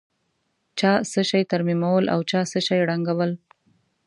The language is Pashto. چا څه شي ترمیمول او چا څه شي ړنګول.